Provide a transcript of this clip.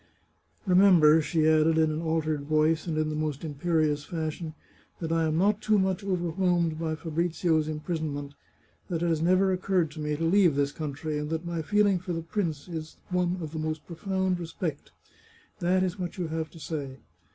" Remember," she added in an altered voice, and in the most imperious fashion, " that I am not too much over whelmed by Fabrizio's imprisonment, that it has never oc curred to me to leave this country, and that my feeling for the prince is one of the most profound respect. That is what you have to say.